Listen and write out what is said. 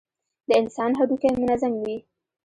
د انسان هډوکى منظم وي.